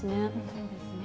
そうですね。